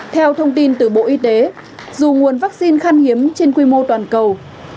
theo thông tin từ bộ y tế dù nguồn vaccine khăn hiếm trên quy mô toàn quốc